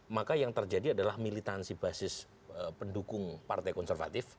maka yang terjadi adalah militansi basis pendukung partai konservatif